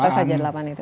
apa apa saja delapan itu